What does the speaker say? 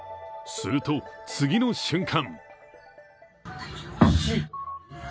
すると、次の瞬間。